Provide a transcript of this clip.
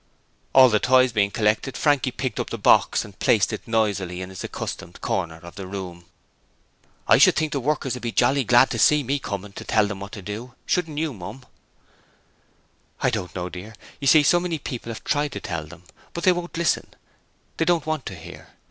All the toys being collected, Frankie picked up the box and placed it noisily in its accustomed corner of the room. 'I should think the workers will be jolly glad when they see me coming to tell them what to do, shouldn't you, Mum?' 'I don't know dear; you see so many people have tried to tell them, but they won't listen, they don't want to hear.